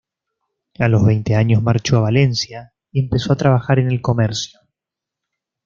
A los veinte años marchó a Valencia y empezó a trabajar en el comercio.